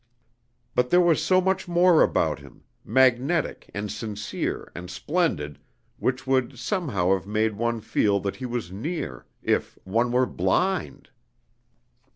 But there was so much more about him, magnetic and sincere and splendid, which would somehow have made one feel that he was near, if one were _blind!